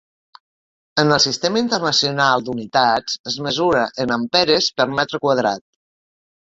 En el sistema internacional d'unitats es mesura en amperes per metre quadrat.